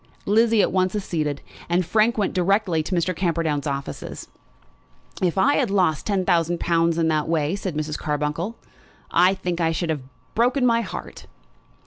Lizzie at once acceded, and Frank went direct to Mr. Camperdown's offices. "If I had lost ten thousand pounds in that way," said Mrs. Carbuncle, "I think I should have broken my heart."